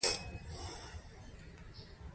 ځینې کسان د اغیز لاندې هم زده کړه کوي.